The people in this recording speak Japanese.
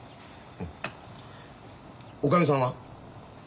んおかみさんは？